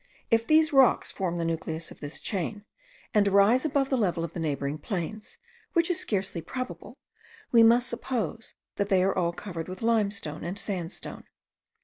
If these rocks form the nucleus of this chain, and rise above the level of the neighbouring plains, which is scarcely probable, we must suppose that they are all covered with limestone and sandstone.